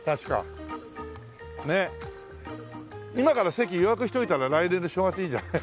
今から席予約しといたら来年の正月いいじゃない。